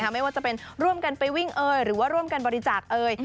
ไม่ว่าจะเป็นร่วมกันไปวิ่งเอ่ยหรือว่าร่วมกันบริจาคเอ่ย